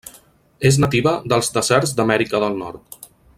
És nativa dels deserts d'Amèrica del Nord.